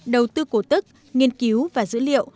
đầu tư cổ tức nghiên cứu và dữ liệu